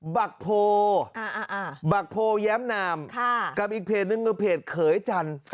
บักโพบักโพแย้มนามกับอีกเพจนึงคือเพจเขยจันทร์